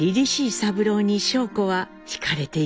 三郎に尚子は惹かれていきます。